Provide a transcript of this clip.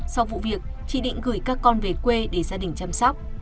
sau vụ việc chị định gửi các con về quê để gia đình chăm sóc